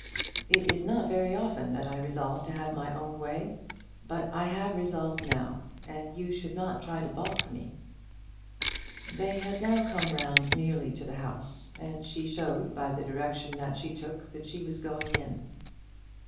"It is not very often that I resolve to have my own way; but I have resolved now, and you should not try to balk me." They had now come round nearly to the house, and she showed, by the direction that she took, that she was going in.